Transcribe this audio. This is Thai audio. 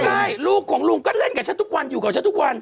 ใช่ลูกของลุงก็เล่นกับฉันทุกวันอยู่กับฉันทุกวัน